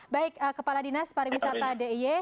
baik kepala dinas pariwisata d i e